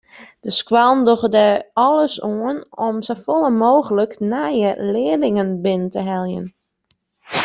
De skoallen dogge der alles oan om safolle mooglik nije learlingen binnen te heljen.